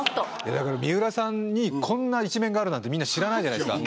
だけど水卜さんにこんな一面があるなんてみんな知らないじゃないですか。